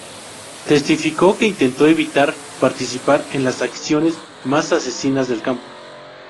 Testificó que intentó evitar participar en las acciones más asesinas del campo.